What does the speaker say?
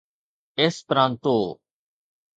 Esperanto